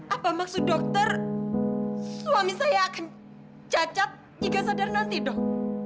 apa maksud dokter suami saya akan cacat jika sadar nanti dok